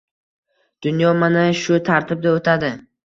Dunyo mana shu tartibda o‘tadi.